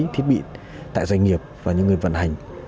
thiết bị tại doanh nghiệp và những người vận hành